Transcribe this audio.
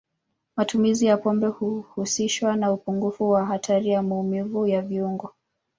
Matumizi ya pombe huhusishwa na upungufu wa hatari ya maumivu ya viungo.